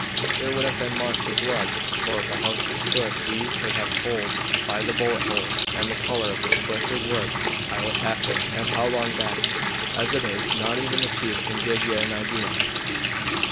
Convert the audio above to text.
There would have been marks of blood. Or if the house had stood we could have told by the bullet holes and the color of the splintered wood how it happened and how long back. As it is, not even the chief can give ye an idea."